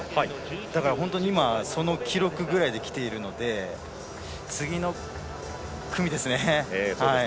だから今、その記録ぐらいできているので次の組ですね。